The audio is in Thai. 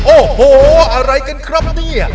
โอ้โหอะไรกันครับเนี่ย